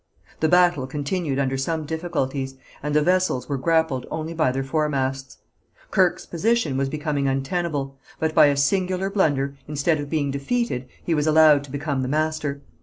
The battle continued under some difficulties, and the vessels were grappled only by their foremasts. Kirke's position was becoming untenable, but by a singular blunder instead of being defeated he was allowed to become the master.